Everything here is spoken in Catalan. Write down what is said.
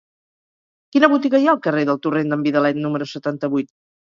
Quina botiga hi ha al carrer del Torrent d'en Vidalet número setanta-vuit?